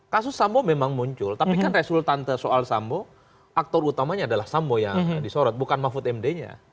kasus sambo memang muncul tapi kan resultante soal sambo aktor utamanya adalah sambo yang disorot bukan mahfud md nya